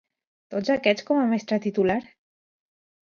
Tots aquests com a mestra titular?